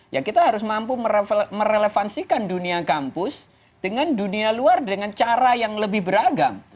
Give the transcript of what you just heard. ya kita harus mampu merelevansikan dunia kampus dengan dunia luar dengan cara yang lebih beragam